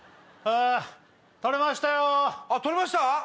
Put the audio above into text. あっ取れました？